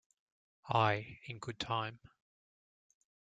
Aye, in good time.